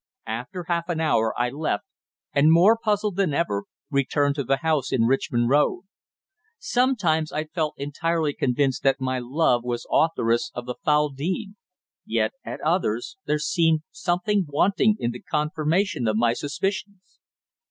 After half an hour I left, and more puzzled than ever, returned to the house in Richmond Road. Sometimes I felt entirely convinced that my love was authoress of the foul deed; yet at others there seemed something wanting in the confirmation of my suspicions.